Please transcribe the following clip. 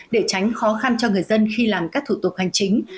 để tránh khó khăn cho người dân khi làm các thủ tục hành chính